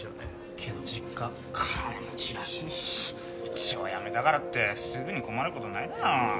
けど実家金持ちらしいしうちを辞めたからってすぐに困ることないだろ。